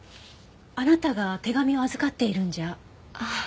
あなたが手紙を預かっているんじゃ。